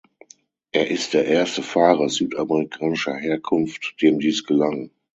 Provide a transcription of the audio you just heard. Er ist der erste Fahrer südamerikanischer Herkunft, dem dies gelang.